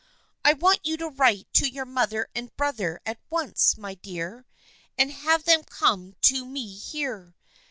" I want you to write to your mother and brother at once, my dear, and have them come to me here.